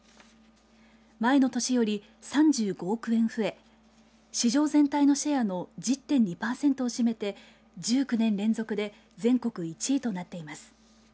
前の年より３５億円増え市場全体のシェアの１０．２パーセントを占めて１９年連続で全国１位となっています。